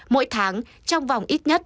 mỗi tháng trong vòng ít nhất